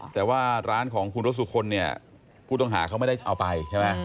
แต่ว่าร้านของคุณรถสุคลเนี่ยผู้ต้องหาเขาไม่ได้เอาไปใช่ไหม